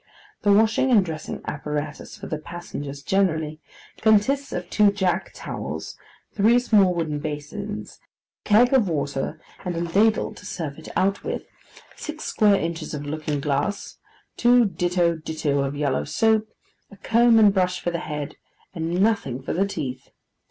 The washing and dressing apparatus for the passengers generally, consists of two jack towels, three small wooden basins, a keg of water and a ladle to serve it out with, six square inches of looking glass, two ditto ditto of yellow soap, a comb and brush for the head, and nothing for the teeth.